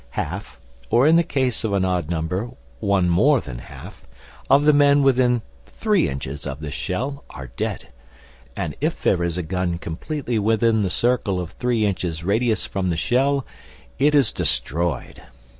Half, or, in the case of an odd number, one more than half, of the men within three inches of this shell are dead, and if there is a gun completely within the circle of three inches radius from the shell, it is destroyed.